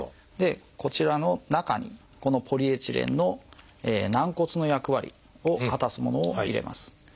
こちらの中にこのポリエチレンの軟骨の役割を果たすものを入れます。